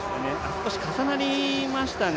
少し重なりましたね。